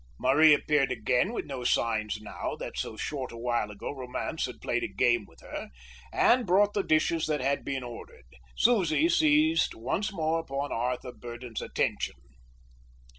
Marie appeared again, with no signs now that so short a while ago romance had played a game with her, and brought the dishes that had been ordered. Susie seized once more upon Arthur Burdon's attention.